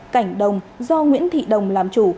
cảnh đồng do nguyễn thị đồng làm chủ